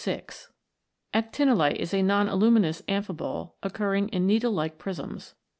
Actinolite is a non aluminous amphibole occurring in needle like prisms.